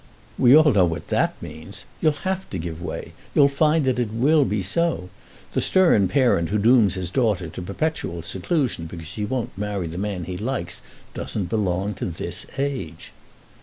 "We all know what that means. You'll have to give way. You'll find that it will be so. The stern parent who dooms his daughter to perpetual seclusion because she won't marry the man he likes, doesn't belong to this age."